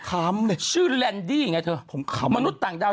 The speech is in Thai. ทำไมมันแรนดี่ได้อย่างไรมันเรียนภาษาอะไร